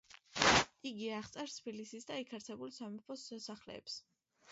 იგი აღწერს თბილისს და იქ არსებულ სამეფო სასახლეებს.